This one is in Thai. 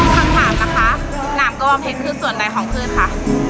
ถามแหน่มกระบองเพชรคือส่วนใดของเครื่องค่ะ